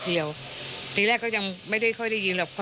แล้วก็ลุกลามไปยังตัวผู้ตายจนถูกไฟคลอกนะครับ